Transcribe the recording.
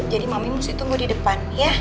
jadi mami mesti tunggu di depan ya